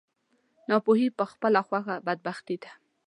ناپوهي په خپله خوښه بدبختي ده.